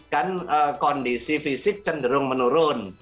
kan kondisi fisik cenderung menurun